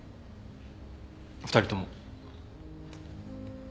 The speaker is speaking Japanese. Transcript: ２人とも。